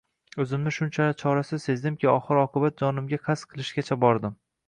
O`zimni shunchalar chorasiz sezdimki, oxir-oqibat, jonimga qasd qilishgacha bordim